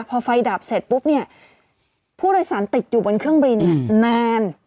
พอไฟดับเสร็จปุ๊บเนี่ยผู้โดยสารติดอยู่บนเครื่องบินนาน